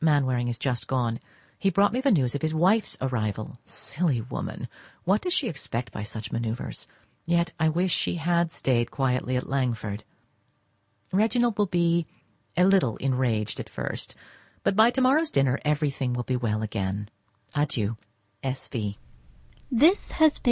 Mainwaring is just gone; he brought me the news of his wife's arrival. Silly woman, what does she expect by such manoeuvres? Yet I wish she had stayed quietly at Langford. Reginald will be a little enraged at first, but by to morrow's dinner, everything will be well again. Adieu! S. V.